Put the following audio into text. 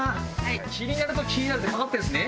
「気になる」と「木になる」ってかかってるんですね。